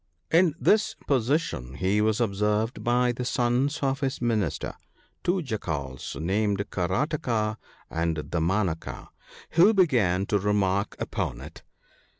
In this position he was observed by the sons of his minister, two jackals named Karataka and Damanaka, who began to remark upon it.